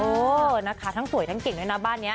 เออนะคะทั้งสวยทั้งเก่งด้วยนะบ้านนี้